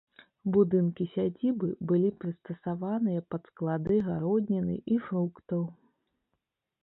Будынкі сядзібы былі прыстасаваныя пад склады гародніны і фруктаў.